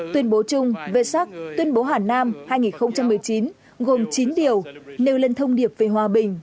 tuyên bố chung về sắc tuyên bố hà nam hai nghìn một mươi chín gồm chín điều nêu lên thông điệp về hòa bình